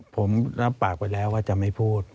ผมรับปากไปแล้วว่าจะไม่พูด